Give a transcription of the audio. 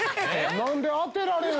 何で当てられるん？